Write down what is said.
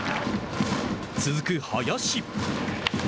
続く林。